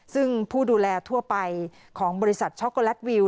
ซึ่งผู้ดูแลทั่วไปของบริษัทช็อกโกแลตวิว